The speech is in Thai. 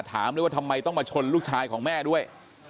ถามเลยว่าทำไมต้องมาชนลูกชายของแม่ด้วย